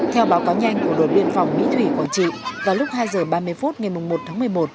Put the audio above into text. theo báo cáo nhanh của đồn biên phòng mỹ thủy quảng trị vào lúc hai h ba mươi phút ngày một tháng một mươi một